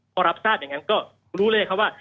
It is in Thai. พอรับทราบอย่างนั้นก็รู้เลยครับว่า